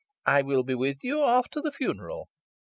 "I will be with you after the funeral."